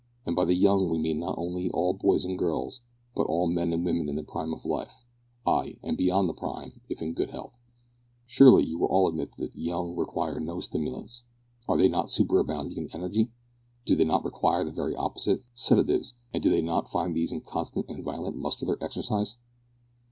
And by the young we mean not only all boys and girls, but all men and women in the prime of life, ay, and beyond the prime, if in good health. Surely you will all admit that the young require no stimulants. Are they not superabounding in energy? Do they not require the very opposite sedatives, and do they not find these in constant and violent muscular exercise?"